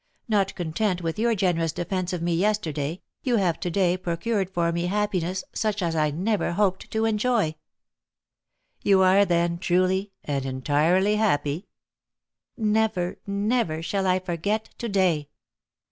Not content with your generous defence of me yesterday, you have to day procured for me happiness such as I never hoped to enjoy." "You are, then, truly and entirely happy?" "Never, never shall I forget to day."